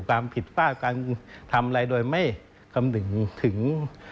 การผิดฟ่าอยากทำอะไรโดยไม่คำนึงถึง